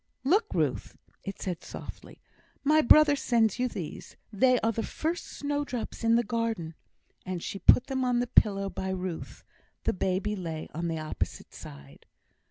"Look, Ruth!" it said, softly, "my brother sends you these. They are the first snowdrops in the garden." And she put them on the pillow by Ruth; the baby lay on the opposite side.